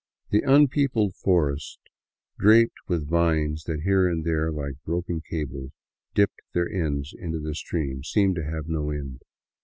The unpeopled forest, draped with vines that here and there, like broken cables, dipped their ends in the stream, seemed to have no end.